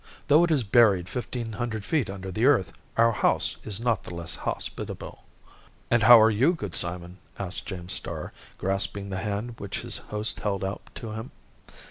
Though it is buried fifteen hundred feet under the earth, our house is not the less hospitable." "And how are you, good Simon?" asked James Starr, grasping the hand which his host held out to him.